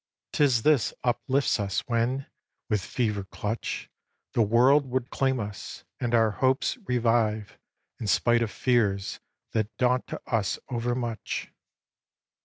'Tis this uplifts us when, with fever clutch, The world would claim us; and our hopes revive In spite of fears that daunt us over much.